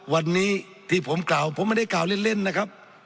วันนี้ที่ผมกล่าวผมไม่ได้กล่าวเล่นนะครับ